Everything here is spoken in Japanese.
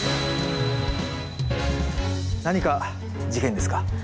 何か事件ですか？